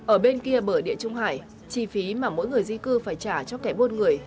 ở bên kia bờ địa trung hải chi phí mà mỗi người di cư phải trả cho kẻ buôn người